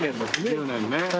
１０年ね。